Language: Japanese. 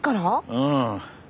うん。